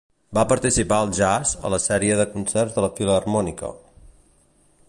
Va participar al jazz, a la sèrie de concerts de la filharmònica.